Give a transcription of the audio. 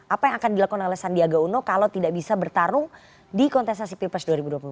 apa yang akan dilakukan oleh sandiaga uno kalau tidak bisa bertarung di kontestasi pilpres dua ribu dua puluh empat